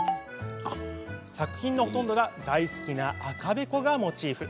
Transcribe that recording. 作品のほとんどが大好きな赤べこがモチーフ。